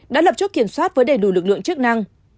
đã lập chốt kiểm soát với đầy đủ lực lượng chức năng